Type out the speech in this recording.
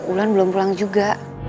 ulan belum pulang juga